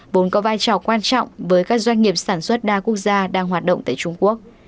vốn có vai trò quan trọng với các doanh nghiệp sản xuất đa quốc gia đang hoạt động tại trung quốc